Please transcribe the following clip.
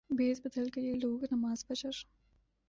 بھیس بدل کریہ لوگ نماز فجر